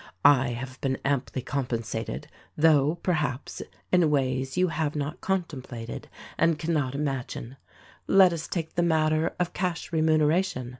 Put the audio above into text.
I have been amply compensated — though, perhaps, in ways you have not contemplated and cannot imagine. Let us take the matter of cash remuneration.